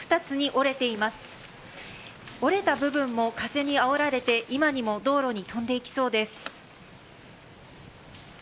折れた部分も風にあおられて今にも道路に飛んでいきそうです。